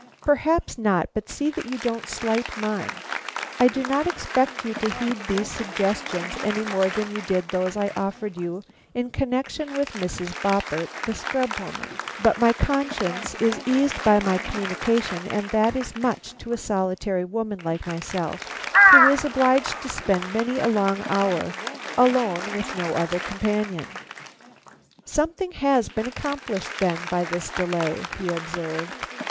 "Perhaps not, but see that you don't slight mine. I do not expect you to heed these suggestions any more than you did those I offered you in connection with Mrs. Boppert, the scrub woman; but my conscience is eased by my communication, and that is much to a solitary woman like myself who is obliged to spend many a long hour alone with no other companion." "Something has been accomplished, then, by this delay," he observed.